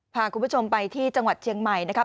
พาคุณผู้ชมไปที่จังหวัดเชียงใหม่นะครับ